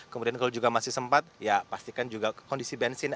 kemudian kalau juga masih sempat ya pastikan juga kondisi bensin